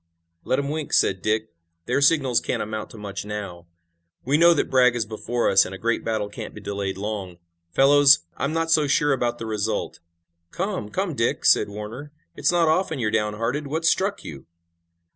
"Let 'em wink," said Dick. "Their signals can't amount to much now. We know that Bragg is before us, and a great battle can't be delayed long. Fellows, I'm not so sure about the result." "Come! Come, Dick!" said Warner. "It's not often you're downhearted. What's struck you?"